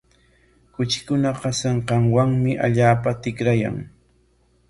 Kuchikunaqa sinqanwanmi allpata tikrayan.